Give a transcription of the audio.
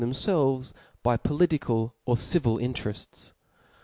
them&lvts by political or civil intertfts*.